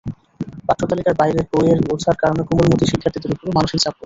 পাঠ্যতালিকার বাইরের বইয়ের বোঝার কারণে কোমলমতি শিক্ষার্থীদের ওপরও মানসিক চাপ বাড়ছে।